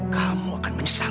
kamu akan menyesal